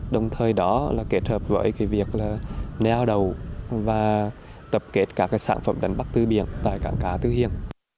đồng thời đó là kết hợp với việc neo đầu và tập kết các sản phẩm đánh bắt tư biển tại cảng cá tư hiền